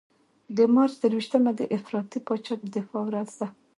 د مارچ درویشتمه د افراطي پاچا د دفاع ورځ ده.